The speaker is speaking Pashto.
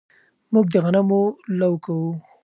موږ د غنمو لو کوو